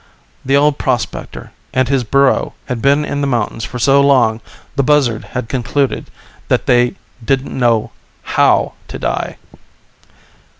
The old prospector and his burro had been in the mountains for so long the buzzard had concluded they didn't know how to die.